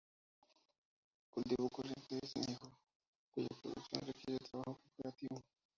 El cultivo corriente es el mijo, cuya producción requiere trabajo cooperativo.